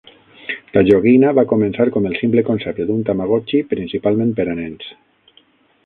La joguina va començar com el simple concepte d'un Tamagotchi principalment per a nens.